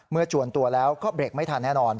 จวนตัวแล้วก็เบรกไม่ทันแน่นอน